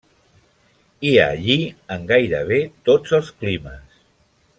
Hi ha lli en gairebé tots els climes.